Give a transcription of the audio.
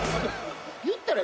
言ったら。